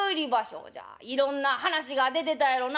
いろんな話が出てたやろな」。